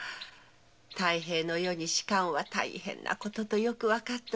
太平の世に仕官は大変なこととわかっております。